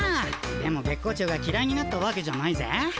でも月光町がきらいになったわけじゃないぜ。